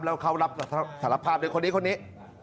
แล้วเขารับสารภาพด้วยคนนี้คนนี้